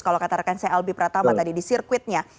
kalau kata rekan saya albi pratama tadi di sirkuitnya